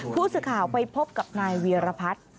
ผู้สื่อข่าวไปพบกับนายเวียรพัฒน์